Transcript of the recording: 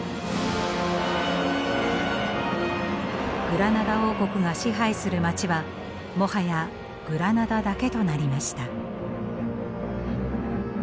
グラナダ王国が支配する街はもはやグラナダだけとなりました。